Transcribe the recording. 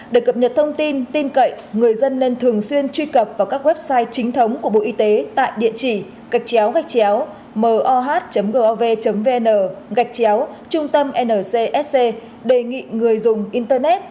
để cập nhật thông tin tin cậy người dân nên thường xuyên truy cập vào các website chính thống của bộ y tế tại địa chỉ gạch chéo gạch chéo moh gov vn gạch chéo trung tâm ncsc đề nghị người dùng internet